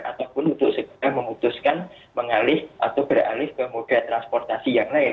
ataupun untuk segera memutuskan mengalih atau beralih ke moda transportasi yang lain